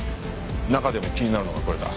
中でも気になるのがこれだ。